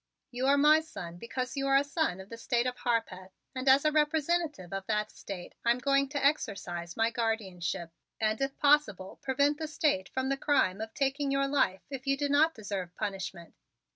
"You are my son because you are a son of the State of Harpeth, and as a representative of that State I am going to exercise my guardianship and if possible prevent the State from the crime of taking your life if you do not deserve punishment."